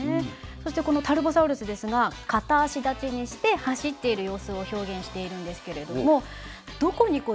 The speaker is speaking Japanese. そしてこのタルボサウルスですが片足立ちにして走っている様子を表現しているんですけれどもさあパックンまだまだありますよ！